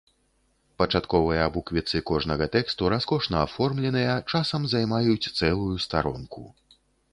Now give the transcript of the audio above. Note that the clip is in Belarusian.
Пачатковыя буквіцы кожнага тэксту раскошна аформленыя, часам займаюць цэлую старонку.